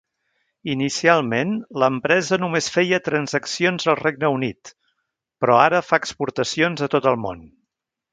Inicialment, l'empresa només feia transaccions al Regne Unit, però ara fa exportacions a tot el món.